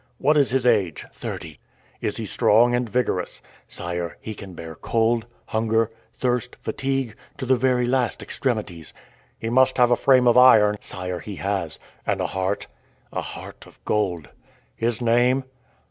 "What is his age?" "Thirty." "Is he strong and vigorous?" "Sire, he can bear cold, hunger, thirst, fatigue, to the very last extremities." "He must have a frame of iron." "Sire, he has." "And a heart?" "A heart of gold." "His name?"